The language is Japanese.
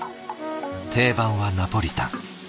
定番はナポリタン。